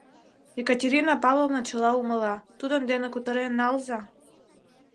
— Екатерина Павловна чыла умыла, тудын дене кутырен налза.